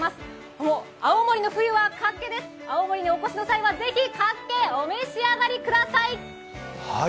もう青森の冬はかっけです、青森にお越しの際は是非、かっけお召し上がりください！